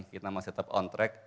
kita masih tetap on track